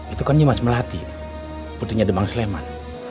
itu kan nyuma semelati putrinya demang sleman